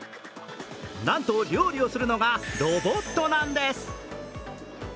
なんと料理をするのがロボットなんです。